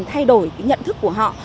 thay đổi cái nhận thức của họ